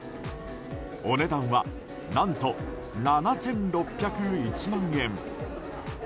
お値段は、何と７６０１万円。